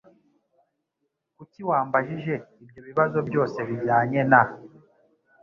Kuki wambajije ibyo bibazo byose bijyanye na ?